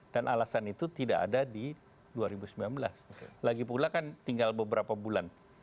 dan alasan itu tidak ada di dua ribu sembilan belas lagi pula kan tinggal beberapa bulan